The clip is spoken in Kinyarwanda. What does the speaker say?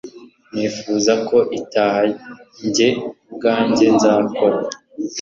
ntifuza ko itaha jye ubwajye nzakora